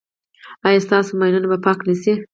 ایا ستاسو ماینونه به پاک نه شي؟